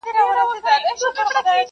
ما یې له ماتم سره لیدلي اخترونه دي؛